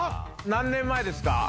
何年前ですか？